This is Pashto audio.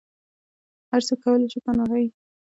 هر څوک کولی شي کاناډایی شي.